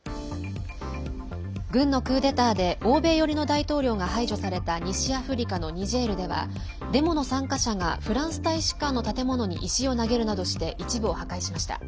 軍のクーデターで欧米寄りの大統領が排除された西アフリカのニジェールではデモの参加者がフランス大使館の建物に石を投げるなどして一部を破壊しました。